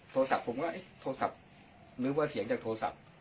โทรศัพท์ผมโทรศัพท์ว่าเสียงจากโทรศัพท์